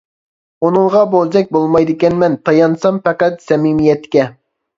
ئۇنىڭغا بوزەك بولمايدىكەنمەن، تايانسام پەقەت سەمىمىيەتكە.